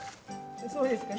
そうですかね？